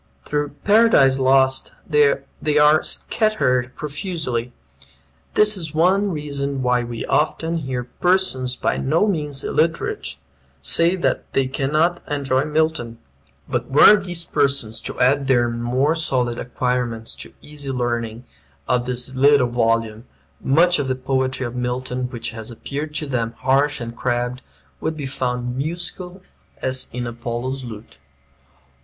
Through "Paradise Lost" they are scattered profusely. This is one reason why we often hear persons by no means illiterate say that they cannot enjoy Milton. But were these persons to add to their more solid acquirements the easy learning of this little volume, much of the poetry of Milton which has appeared to them "harsh and crabbed" would be found "musical as is Apollo's lute."